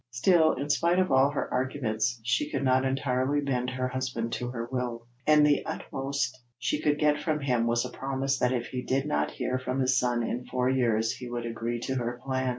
Still, in spite of all her arguments, she could not entirely bend her husband to her will; and the utmost she could get from him was a promise that if he did not hear from his son in four years he would agree to her plan.